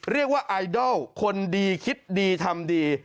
เรียกว่าไอดอลคนดีคิดดีทำดี